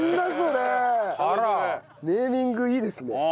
ネーミングいいですね。